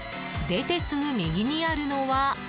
出てすぐ右にあるのは。